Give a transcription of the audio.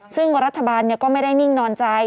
ซึ่งรัฐบาลก็ไม่ได้นิ่งนอนใจ